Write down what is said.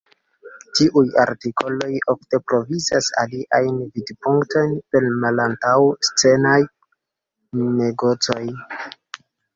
Tiuj artikoloj ofte provizas aliajn vidpunktojn per malantaŭ-scenaj negocoj.